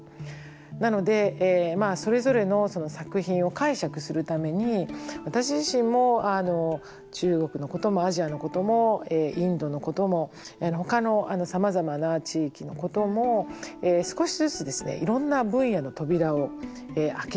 なのでそれぞれの作品を解釈するために私自身も中国のこともアジアのこともインドのこともほかのさまざまな地域のことも少しずついろんな分野の扉を開けてのぞいてきました。